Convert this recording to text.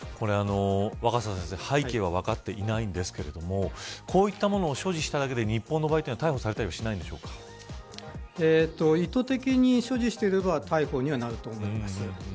若狭先生、背景は分かっていないんですがこういったものを所持しただけで、日本の場合は逮捕されたりは意図的に所持していれば逮捕にはなると思います。